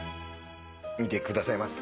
見てくださいました？